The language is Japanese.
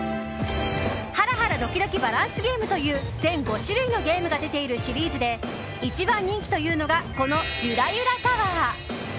ハラハラどきどきバランスゲームという全５種類のゲームが出ているシリーズで１番人気というのがこのゆらゆらタワー。